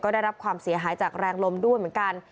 ได้รับความเสียหายจากแรงลมด้วยเหมือนกัน